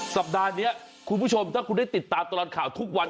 สัปดาห์นี้คุณผู้ชมถ้าคุณได้ติดตามตลอดข่าวทุกวัน